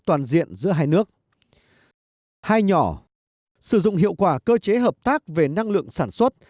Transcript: toàn diện giữa hai nước hai nhỏ sử dụng hiệu quả cơ chế hợp tác về năng lượng sản xuất